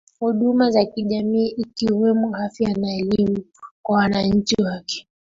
Huduma za kijamii ikiwemo afya na elimu kwa wananchi wake